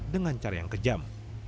dengan cara yang kejam